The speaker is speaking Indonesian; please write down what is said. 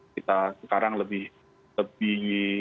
kita sekarang lebih konsumsi